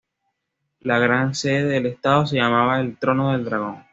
La Gran Sede del Estado se llamaba el "Trono del Dragón.